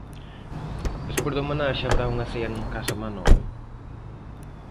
Despois da homenaxe haberá unha cea en Casa Manolo.